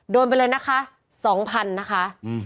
โดนไปเลยนะคะ๒๐๐๐นะคะ